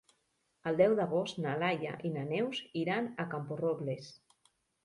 El deu d'agost na Laia i na Neus iran a Camporrobles.